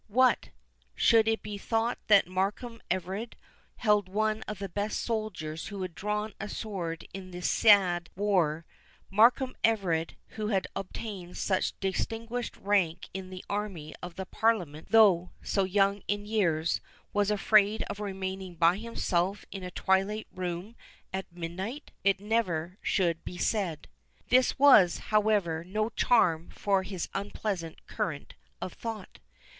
What! should it be thought that Markham Everard, held one of the best soldiers who had drawn a sword in this sad war—Markham Everard, who had obtained such distinguished rank in the army of the Parliament, though so young in years, was afraid of remaining by himself in a twilight room at midnight? It never should be said. This was, however, no charm for his unpleasant current of thought.